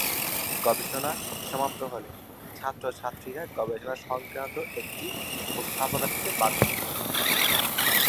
গবেষণা সমাপ্ত হলে ছাত্রছাত্রীরা গবেষণা সংক্রান্ত একটি উপস্থাপনা দিতে বাধ্য থাকে।